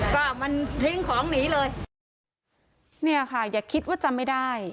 ก็มันทิ้งของหนีเลยเนี่ยค่ะอย่าคิดว่าจำไม่ได้